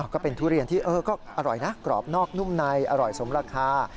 ก็เป็นทุเรียนที่ก็อร่อยนะกรอบนอกนุ่มในอร่อยสมราคา